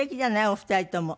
お二人とも。